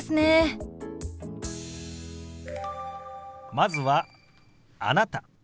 まずは「あなた」。